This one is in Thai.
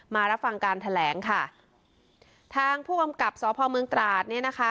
มารับฟังการแถลงค่ะทางผู้กำกับสพเมืองตราดเนี่ยนะคะ